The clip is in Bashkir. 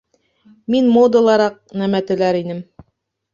Мин модалыраҡ нәмә теләр инем